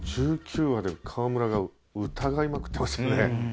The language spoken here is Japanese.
１９話で河村が疑いまくってますよね。